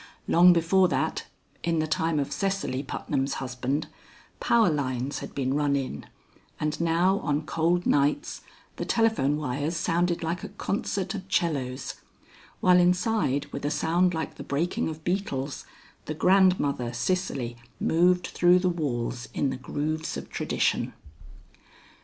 Long before that, in the time of Cecily Putnam's husband, power lines had been run in, and now on cold nights the telephone wires sounded like a concert of cellos, while inside with a sound like the breaking of beetles, the grandmother Cecily moved through the walls in the grooves of tradition.